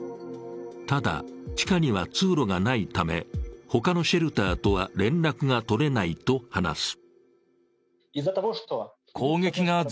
ただ、地下には通路がないため他のシェルターとは連絡が取れないと話す。